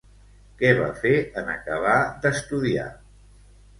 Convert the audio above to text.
Què va fer en acabar d'estudiar?